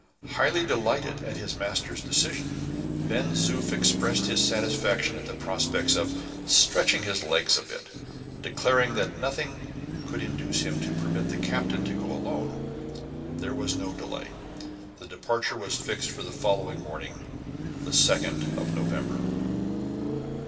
Highly delighted at his master's decision, Ben Zoof expressed his satisfaction at the prospect of "stretching his legs a bit," declaring that nothing could induce him to permit the captain to go alone. There was no delay. The departure was fixed for the following morning, the 2nd of November.